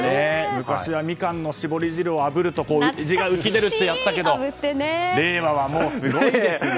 昔はミカンの搾り汁をあぶると字が浮き出るってやったけど令和はもうすごいですね。